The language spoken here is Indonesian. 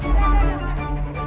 sebaiknya emang emang